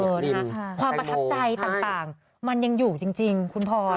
นะคะความประทับใจต่างมันยังอยู่จริงคุณพลอย